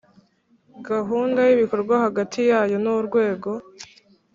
gahunda y ibikorwa hagati yayo n Urwego